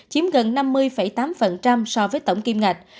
chiếm gần năm mươi tám so với tổng kim ngạch